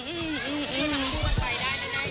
พูดกันไปได้ไม่ได้หรอ